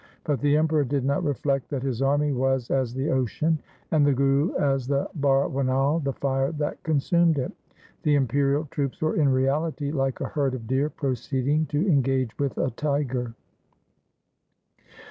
But the Emperor did not reflect that his army was as the ocean, and the Guru as the barwanal, the fire that consumed it. The imperial troops were in reality like a herd of deer proceeding to engage with a tiger.